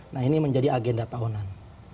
nah ini menjadi agenda tahunan